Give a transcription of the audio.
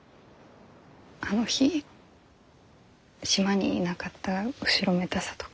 あの日島にいなかった後ろめたさとか。